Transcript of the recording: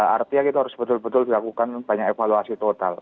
artinya kita harus betul betul dilakukan banyak evaluasi total